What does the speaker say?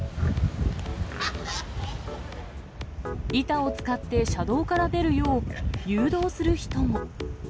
板を使って車道から出るよう、誘導する人も。